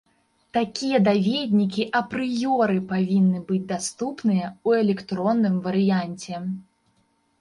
Такія даведнікі апрыёры павінны быць даступныя ў электронным варыянце.